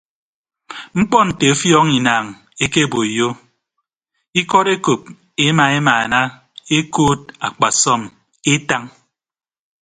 Mkpọ nte ọfiọñ inaañ ekeboiyo ikọd ekop ema emaana ekood akpasọm etañ.